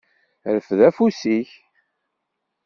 Rfed afus-ik.